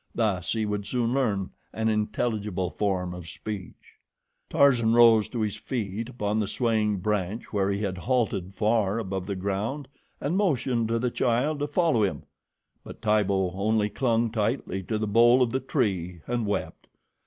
Thus he would soon learn an intelligible form of speech. Tarzan rose to his feet upon the swaying branch where he had halted far above the ground, and motioned to the child to follow him; but Tibo only clung tightly to the bole of the tree and wept.